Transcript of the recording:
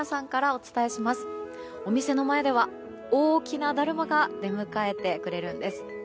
お店の前では、大きなだるまが出迎えてくれるんです。